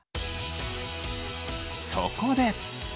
そこで。